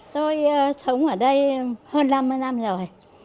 tôi sống ở đây hơn năm mươi năm rồi